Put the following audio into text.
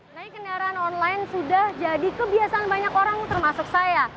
naik kendaraan online sudah jadi kebiasaan banyak orang termasuk saya